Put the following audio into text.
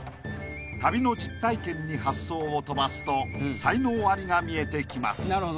旅の実体験に発想を飛ばすと才能アリが見えてきます。